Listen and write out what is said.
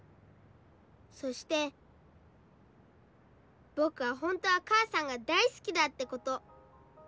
そして僕は本当は母さんが大好きだってこと。